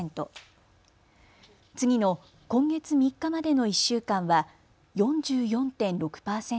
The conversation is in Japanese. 次の今月３日までの１週間は４４．６％に。